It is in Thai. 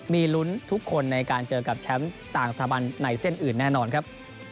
มีลุ้นทุกคนในการเจอกับแชมป์ต่างสถาบันในเส้นอื่นแน่นอนครับ